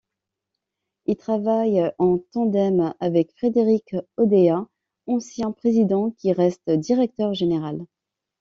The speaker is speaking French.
Il travaille en tandem avec Frédéric Oudéa, ancien président qui reste directeur général.